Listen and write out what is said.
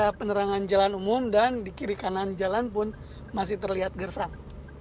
ada penerangan jalan umum dan di kiri kanan jalan pun masih terlihat gersang